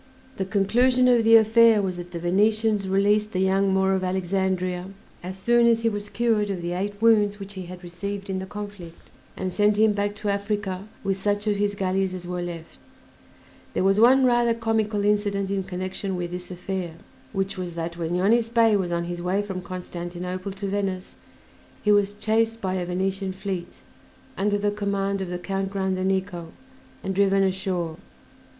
The conclusion of the affair was that the Venetians released "The Young Moor of Alexandria" as soon as he was cured of the eight wounds which he had received in the conflict, and sent him back to Africa with such of his galleys as were left. There was one rather comical incident in connection with this affair, which was that when Yonis Bey was on his way from Constantinople to Venice he was chased by a Venetian fleet, under the command of the Count Grandenico, and driven ashore.